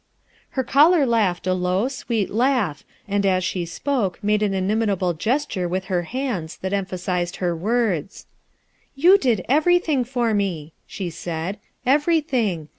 Ker caller laughed a low, sweet laugh, and as she spoke made an inimitable gesture with her hands that emphasized her words, "You did everything for rne," she said, "Everything!